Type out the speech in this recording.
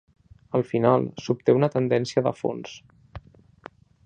Al final, s’obté una tendència de fons.